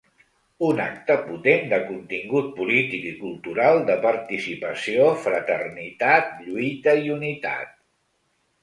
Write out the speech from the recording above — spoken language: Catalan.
Un acte potent de contingut polític i cultural, de participació, fraternitat, lluita i unitat.